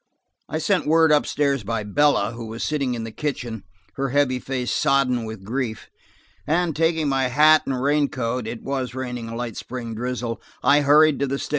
I sent word up stairs by Bella, who was sitting in the kitchen, her heavy face sodden with grief, and taking my hat and raincoat–it was raining a light spring drizzle–I hurried to the station.